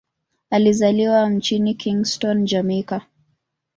Alizaliwa mjini Kingston, Jamaika.